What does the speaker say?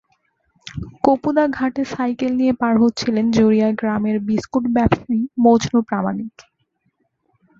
কপুদা ঘাটে সাইকেল নিয়ে পার হচ্ছিলেন জুড়িয়া গ্রামের বিস্কুট ব্যবসায়ী মজনু প্রামাণিক।